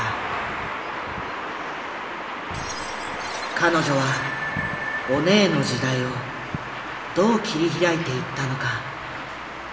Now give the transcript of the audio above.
彼女はオネエの時代をどう切り開いていったのか。